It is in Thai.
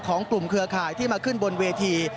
ของกลุ่มเครือข่ายที่มาขึ้นบนเวที